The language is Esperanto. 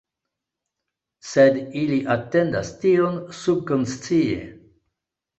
Sed ili atendas tion subkonscie